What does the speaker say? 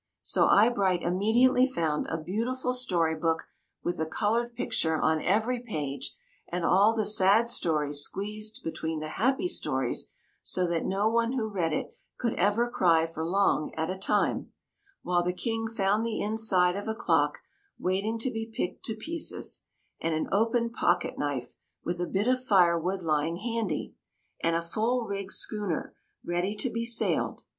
So Eyebright immediately found a beautiful story book, with a coloured picture on every page, and all the sad stories squeezed between the happy stories, so that no one who read it could ever cry for long at a time; while the King found the inside of a clock waiting to be picked to pieces, and an open pocket knife with a bit of firewood lying handy, and a full rigged schooner ready to be sailed.